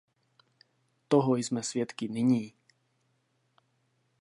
Toho jsme svědky nyní.